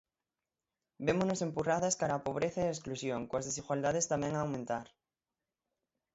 "Vémonos empurradas cara á pobreza e a exclusión, coas desigualdades tamén a aumentar".